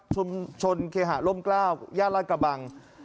ชุมชนเคหล่มกล้าวญาติรัตน์กระบัง